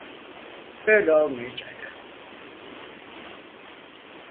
Böyle olmayacak.